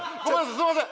すいません。